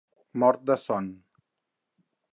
Mort de son.